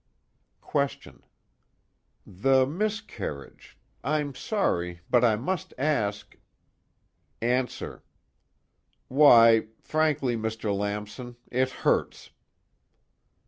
QUESTION: The miscarriage I'm sorry, but I must ask ANSWER: Why, frankly, Mr. Lamson, it hurts.